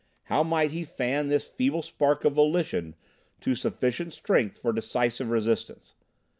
How might he fan this feeble spark of volition to sufficient strength for decisive resistance?